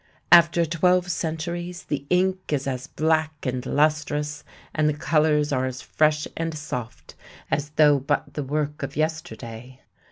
After twelve centuries the ink is as black and lustrous and the colors are as fresh and soft as though but the work of yesterday.